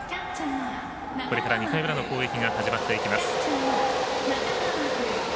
これから２回裏の攻撃が始まっていきます。